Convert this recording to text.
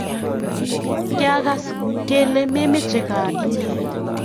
Kiakas kelee memoche gaa inye